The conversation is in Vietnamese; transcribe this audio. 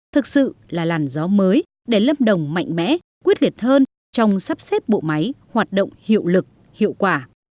thực sự là làn gió mới để lâm đồng mạnh mẽ quyết liệt hơn trong sắp xếp bộ máy hoạt động hiệu lực hiệu quả